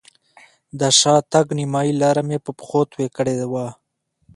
د شاتګ نیمایي لاره مې په پښو طی کړې وه.